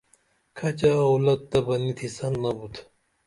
کھچہ اولت تہ بہ نی تھیسن ابُت